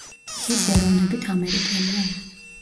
ის ეროვნებით ამერიკელია.